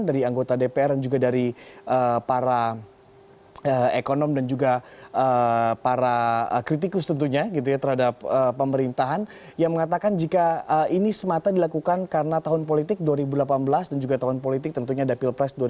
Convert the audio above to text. dari anggota dpr dan juga dari para ekonom dan juga para kritikus tentunya gitu ya terhadap pemerintahan yang mengatakan jika ini semata dilakukan karena tahun politik dua ribu delapan belas dan juga tahun politik tentunya ada pilpres dua ribu sembilan belas